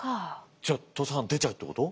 じゃあ土佐藩出ちゃうってこと？